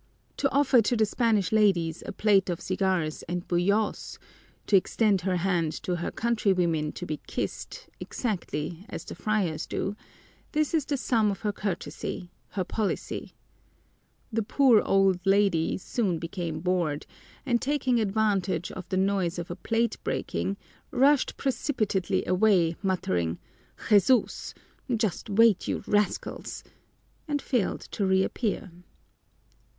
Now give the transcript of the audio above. To offer to the Spanish ladies a plate of cigars and buyos, to extend her hand to her countrywomen to be kissed, exactly as the friars do, this is the sum of her courtesy, her policy. The poor old lady soon became bored, and taking advantage of the noise of a plate breaking, rushed precipitately away, muttering, "Jesús! Just wait, you rascals!" and failed to reappear.